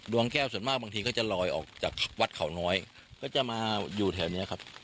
แก้วส่วนมากบางทีก็จะลอยออกจากวัดเขาน้อยก็จะมาอยู่แถวนี้ครับ